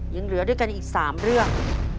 ยังเหลือด้วยกันอีก๓เรื่อง